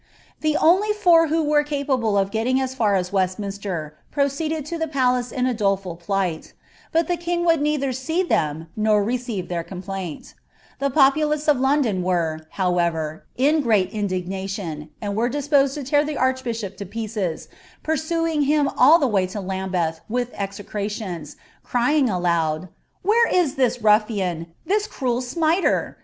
tRly four who were capable of getting as far as Westminster, pro I to the palace in a doleful plight ; but the king would neither see WT receive their complaint,' The populace of London were, how ■ g«at indignation, and were disposed to tear the archbishop to I pursDing him all the way to Lambeth wirii wecrations, crying f " Where is this mOian, this cruel emiter